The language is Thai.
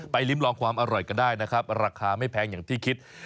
ลิ้มลองความอร่อยกันได้นะครับราคาไม่แพงอย่างที่คิด